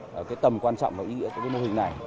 và cái tầm quan trọng và ý nghĩa của cái mô hình này